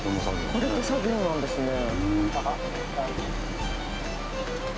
これ手作業なんですね。